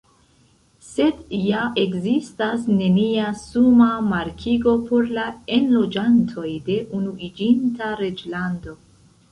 Sed ja ekzistas nenia suma markigo por la enloĝantoj de Unuiĝinta Reĝlando.